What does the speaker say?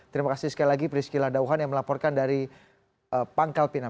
terima kasih sekali lagi priscila dauhan yang melaporkan dari pangkal pinang